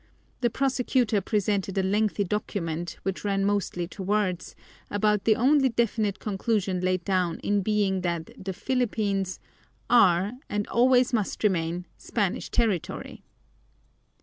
The prosecutor presented a lengthy document, which ran mostly to words, about the only definite conclusion laid down in it being that the Philippines "are, and always must remain, Spanish territory."